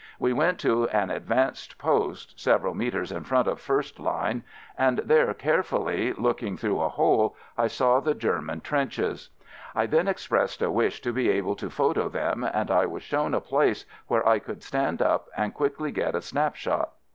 We went to an advanced post (several metres in front of first line), and there carefully looking through a hole I saw the German trenches. I then expressed a wish to be able to photo them, and I was shown a place where I could stand up and quickly get a snap shot.